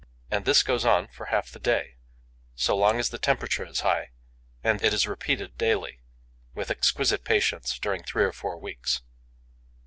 And this goes on for half the day, so long as the temperature is high; and it is repeated daily, with exquisite patience, during three or four weeks.